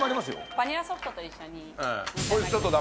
バニラソフトと一緒に。